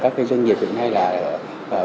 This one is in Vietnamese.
các cái doanh nghiệp hiện nay là